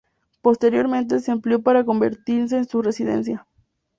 Posteriormente se amplió para convertirse en su residencia.